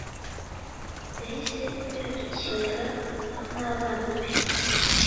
yahise yadukira n’abana be